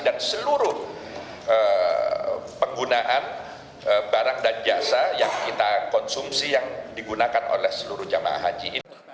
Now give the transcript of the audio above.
dan seluruh penggunaan barang dan jasa yang kita konsumsi yang digunakan oleh seluruh jemaah haji